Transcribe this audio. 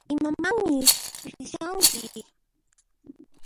Imamanmi rishanki?